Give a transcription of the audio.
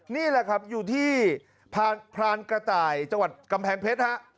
นี่แหละครับอยู่ที่พรานกระต่ายจังหวัดกำแพงเพชรฮะ